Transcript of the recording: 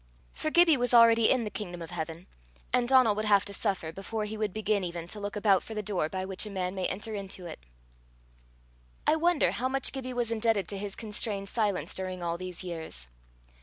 For Gibbie was already in the kingdom of heaven, and Donal would have to suffer, before he would begin even to look about for the door by which a man may enter into it. I wonder how much Gibbie was indebted to his constrained silence during all these years.